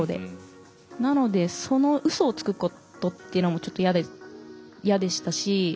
なのでそのうそをつくことっていうのもちょっと嫌でしたし。